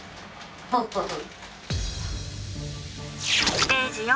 ステージ４。